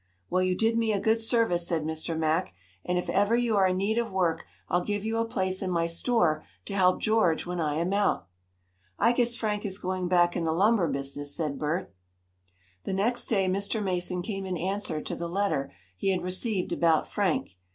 "Well, you did me a good service," said Mr. Mack, "and if ever you are in need of work, I'll give you a place in my store to help George when I am out." "I guess Frank is going back in the lumber business," said Bert. The next day Mr. Mason came in answer to the letter he had received about Frank.